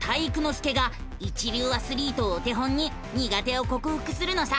介が一流アスリートをお手本に苦手をこくふくするのさ！